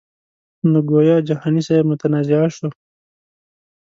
نو ګویا جهاني صاحب متنازعه شو.